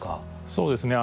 そうですね。